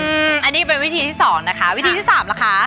อืมอันนี้เป็นวิธีที่สองนะคะวิธีที่สามล่ะคะ